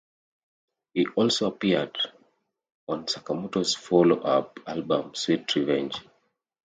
He also appeared on Sakamoto's follow up album Sweet Revenge.